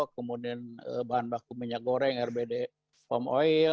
kemudian bahan baku minyak goreng rbd palm oil